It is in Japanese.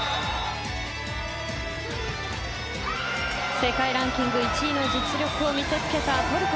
世界ランキング１位の実力を見せつけたトルコ。